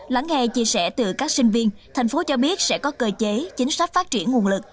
lắng nghe chia sẻ từ các sinh viên thành phố cho biết sẽ có cơ chế chính sách phát triển nguồn lực